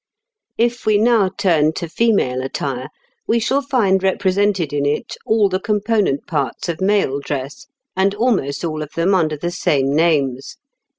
If we now turn to female attire, we shall find represented in it all the component parts of male dress, and almost all of them under the same names.